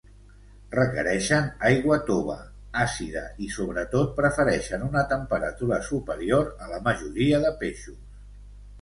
Requereixen aigua tova, àcida i sobretot prefereixen una temperatura superior a la majoria de peixos.